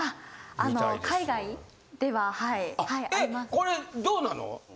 これどうなの？